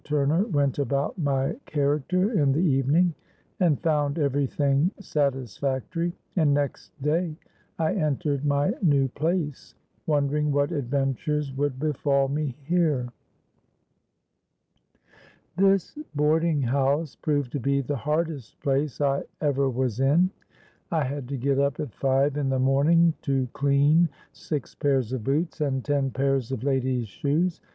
Turner went about my character in the evening, and found every thing satisfactory; and next day I entered my new place, wondering what adventures would befal me here. "This boarding house proved to be the hardest place I ever was in. I had to get up at five in the morning to clean six pairs of boots and ten pairs of ladies' shoes.